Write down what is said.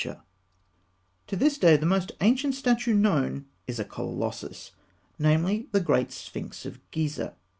] To this day, the most ancient statue known is a colossus namely, the Great Sphinx of Gizeh.